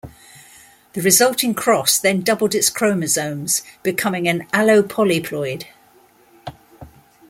The resulting cross then doubled its chromosomes, becoming an allopolyploid.